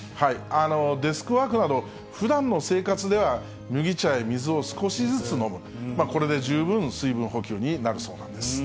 デスクワークなど、ふだんの生活では、麦茶や水を少しずつ飲む、これで十分水分補給になるそうなんです。